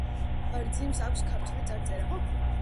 ბარძიმს აქვს ქართული წარწერა.